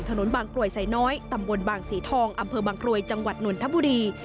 ถนนบางกรวยไซน้อยตำบลบางสีทองอำเภอบางกรวยจังหวัดนนทบุรี